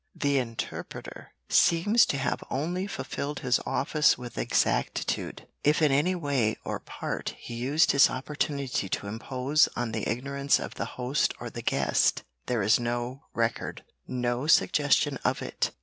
The interpreter seems to have only fulfilled his office with exactitude; if in any way or part he used his opportunity to impose on the ignorance of the host or the guest there is no record, no suggestion of it.